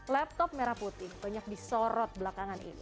laptop merah putih banyak disorot belakangan ini